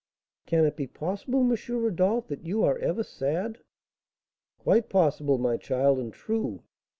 "Can it be possible, M. Rodolph, that you are ever sad?" "Quite possible, my child, and true.